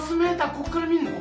こっから見んの？